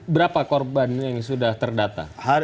berapa korban yang sudah terdata